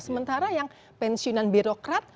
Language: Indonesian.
sementara yang pensiunan birokrat